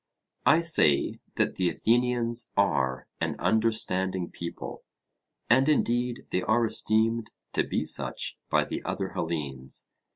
I say that the Athenians are an understanding people, and indeed they are esteemed to be such by the other Hellenes.